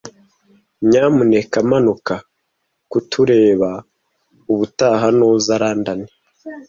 Nyamuneka manuka kutureba ubutaha nuza London.